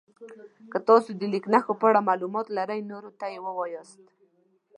که تاسو د لیک نښو په اړه معلومات لرئ نورو ته یې ووایاست.